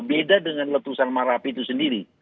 beda dengan letusan marapi itu sendiri